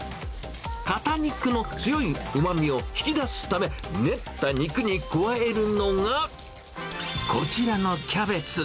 肩肉の強いうまみを引き出すため、練った肉に加えるのが、こちらのキャベツ。